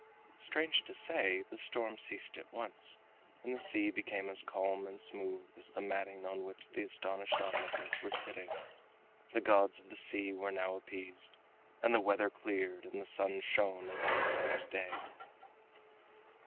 Strange to say, the storm ceased at once, and the sea became as calm and smooth as the matting on which the astonished onlookers were sitting. The gods of the sea were now appeased, and the weather cleared and the sun shone as on a summer's day.